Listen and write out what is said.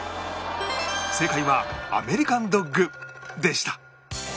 正解はアメリカンドッグでした